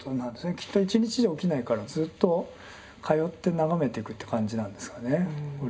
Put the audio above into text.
きっと１日じゃ起きないからずっと通って眺めていくっていう感じなんですかね。